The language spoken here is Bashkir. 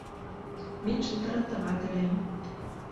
Мин шылтыратырға теләйем